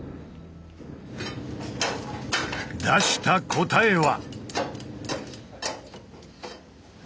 出した答えは。